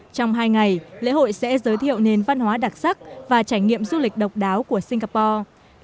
trong hai ngày lễ hội sẽ giới thiệu nền văn hóa đặc sắc và trải nghiệm du lịch độc đáo của singapore